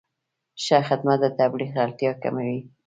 ښه خدمت د تبلیغ اړتیا کموي.